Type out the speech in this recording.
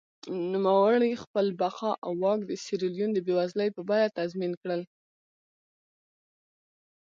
نوموړي خپله بقا او واک د سیریلیون د بېوزلۍ په بیه تضمین کړل.